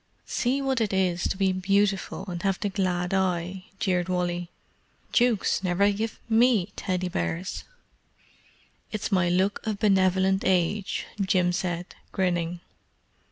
"See what it is to be beautiful and have the glad eye!" jeered Wally. "Dukes never give me Teddy bears!" "It's my look of benevolent age," Jim said, grinning.